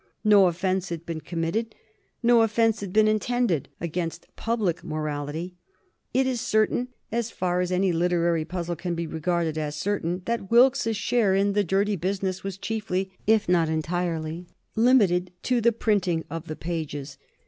No offence had been committed, no offence had been intended, against public morality. It is certain, as far as any literary puzzle can be regarded as certain, that Wilkes's share in the dirty business was chiefly, if not entirely, limited to the printing of the pages.